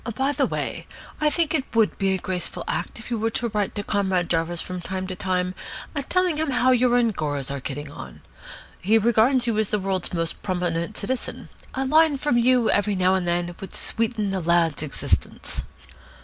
By the way, I think it would be a graceful act if you were to write to Comrade Jarvis from time to time telling him how your Angoras are getting on. He regards you as the World's Most Prominent Citizen. A line from you every now and then would sweeten the lad's existence."